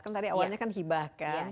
kan tadi awalnya kan hibah kan